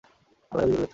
আল্লাহই অধিকতর জ্ঞাত।